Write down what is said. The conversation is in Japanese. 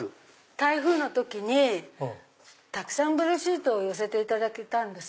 台風の時にたくさんブルーシートを寄せていただけたんです。